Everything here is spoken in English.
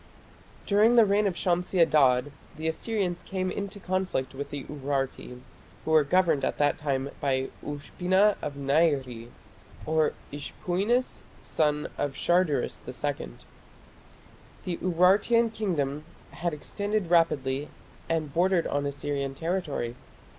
During the reign of Shamshi Adad the Assyrians came into conflict with the Urarti, who were governed at the time by "Ushpina of Nairi" (Ishpuinis, son of Sharduris II). The Urartian kingdom had extended rapidly and bordered on Assyrian territory.